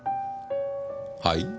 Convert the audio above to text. はい？